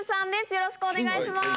よろしくお願いします。